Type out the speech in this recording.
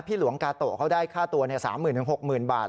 หลวงกาโตะเขาได้ค่าตัว๓๐๐๐๖๐๐๐บาท